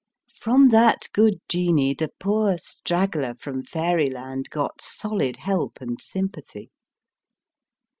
From that good genie the ROBERT BUCHANAN 287 poor straggler from Fairyland got solid help and sympathy.